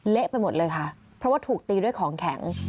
เละไปหมดเลยค่ะเพราะว่าถูกตีด้วยของแข็ง